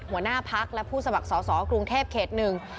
หัวหน้าพักและผู้สมัครสอสอกรุงเทพเขตหนึ่ง